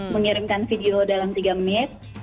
mengirimkan video dalam tiga menit